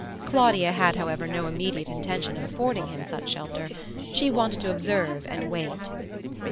Claudia had however no immediate intention of affording him such shelter. She wanted to observe and wait.